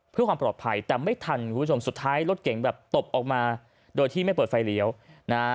เพื่อความปลอดภัยแต่ไม่ทันคุณผู้ชมสุดท้ายรถเก่งแบบตบออกมาโดยที่ไม่เปิดไฟเลี้ยวนะฮะ